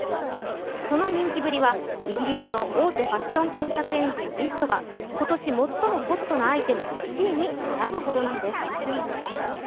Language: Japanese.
その人気ぶりはイギリスの大手ファッション検索エンジンＬｙｓｔが今年最もホットなアイテム１位に選ぶほどなんです。